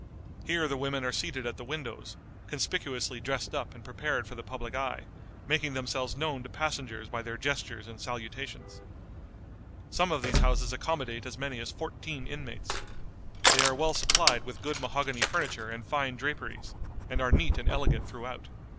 Here the women are seated at the windows, conspicuously dressed up and prepared for the public eye, making themselves known to passengers by their gestures and salutations. Some of these houses accommodate as many as fourteen inmates. They are well supplied with good mahogany furniture and fine draperies, and are neat and elegant throughout.